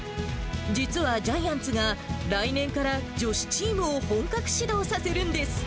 実はジャイアンツが、来年から女子チームを本格始動させるんです。